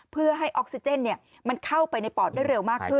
เพื่อให้ออกซิเจนมันเข้าไปในปอดได้เร็วมากขึ้น